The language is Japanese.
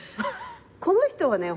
この人はね